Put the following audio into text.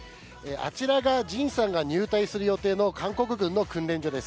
あちらがＪＩＮさんが入隊する予定の韓国軍の訓練所です。